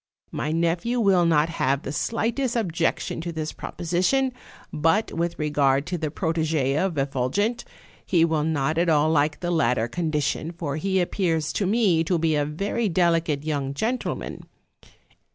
My nephew will not have the slightest objection to this proposition; but with regard to the protege of Effulgent, he will not at all like the latter condition, for he appears to me to be a very delicate young gentleman.